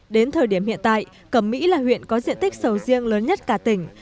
đến thời điểm hiện tại cẩm mỹ là huyện có diện tích sầu riêng lớn nhất cả tỉnh